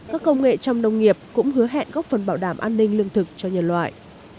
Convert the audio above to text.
các công nghệ trong nông nghiệp cũng hứa hẹn góp phần bảo đảm an ninh lương thực cho nhân loại